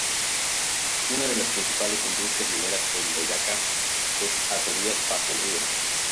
Una de las principales industrias mineras en Boyacá es Acerías Paz del Río.